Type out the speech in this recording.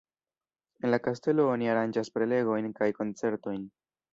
En la kastelo oni aranĝas prelegojn kaj koncertojn.